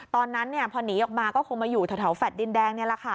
ตอนนั้นเนี่ยพอหนีออกมาก็คงมาอยู่ที่แถวแฟลดินแดงเนี่ยแหละค่ะ